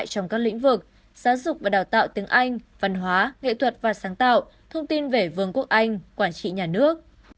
trong các lĩnh vực giáo dục và đào tạo tiếng anh văn hóa nghệ thuật và sáng tạo thông tin về vương quốc anh quản trị nhà nước